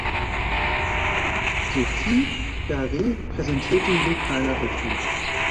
Sophie Gareis präsentiert die Lokalnachrichten.